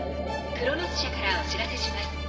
クロノス社からお知らせします。